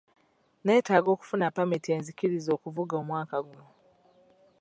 Neetaaga okufuna ppamiti enzikiriza okuvuga omwaka guno.